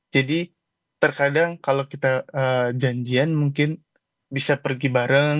jadi terkadang kalau kita janjian mungkin bisa pergi bareng